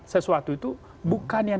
sesuatu itu bukan yang